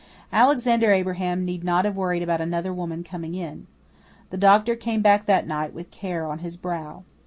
Alexander Abraham need not have worried about another woman coming in. The doctor came back that night with care on his brow.